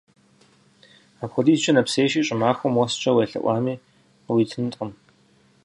Апхуэдизкӏэ нэпсейщи, щӏымахуэм уэскӏэ уелъэӏуами къыуитынкъым.